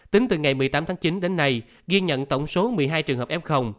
tính từ ngày một mươi tám tháng chín đến nay ghi nhận tổng số một mươi hai trường hợp f